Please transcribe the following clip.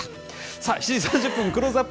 さあ、７時３０分、クローズアップ